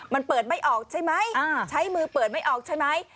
มันเปิดไม่ออกใช่ไหมใช้มือเปิดไม่ออกใช่ไหม